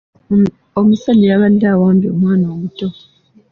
Omusajja yabadde awambye omwana omuto.